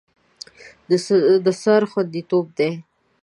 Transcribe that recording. د سر خوندیتوب ده.